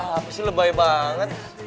apa sih lebay banget